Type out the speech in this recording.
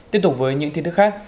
tiếp tục với những tin tức khác